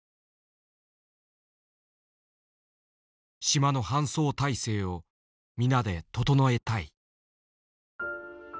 「島の搬送態勢を皆で整えたい」。